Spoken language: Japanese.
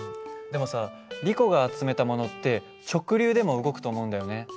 でもさリコが集めたものって直流でも動くと思うんだよね。